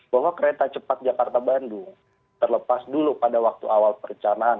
bahwa kereta cepat jakarta bandung terlepas dulu pada waktu awal perencanaan